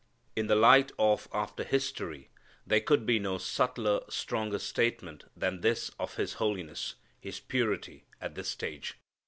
In the light of after history there could be no subtler, stronger statement than this of his holiness, his purity, at this stage.